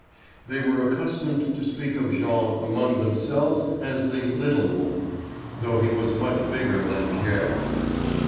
They were accustomed to speak of Jean among themselves as the "little one," though he was much bigger than Pierre.